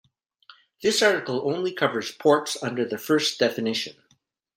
This article only covers ports under the first definition.